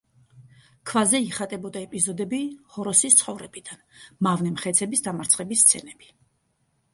ქვაზე იხატებოდა ეპიზოდები ჰოროსის ცხოვრებიდან, მავნე მხეცების დამარცხების სცენები.